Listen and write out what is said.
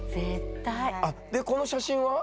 あっでこの写真は？